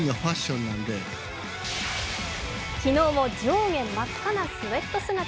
昨日も上下真っ赤なスエット姿。